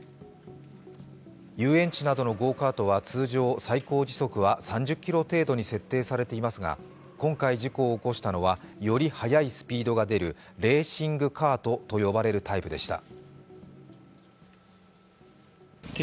遊園地などのゴーカートは通常、最高時速は３０キロ程度に設定されていますが今回、事故を起こしたのはより速いスピードが出るレーシングカートと呼ばれるタイプでした。